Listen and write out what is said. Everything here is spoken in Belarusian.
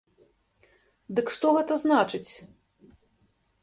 Дык што гэта значыць?